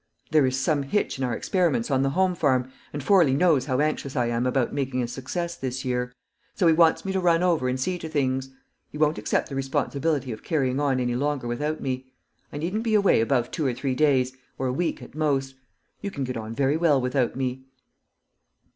There is some hitch in our experiments on the home farm, and Forley knows how anxious I am about making a success this year. So he wants me to run over and see to things; he won't accept the responsibility of carrying on any longer without me. I needn't be away above two or three days, or a week at most. You can get on very well without me."